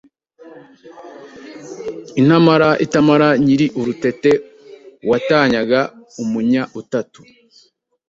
intamara itamara nyiri urutete Uwatanyaga umunyautatu